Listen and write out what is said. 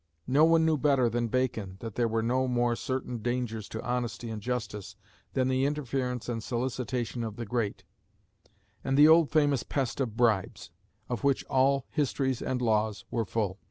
No one knew better than Bacon that there were no more certain dangers to honesty and justice than the interference and solicitation of the great, and the old famous pest of bribes, of which all histories and laws were full.